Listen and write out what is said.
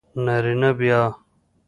نارینه بیا